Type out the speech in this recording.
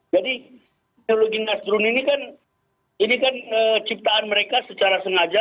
jadi ideologi nasdrun ini kan ini kan ciptaan mereka secara sengaja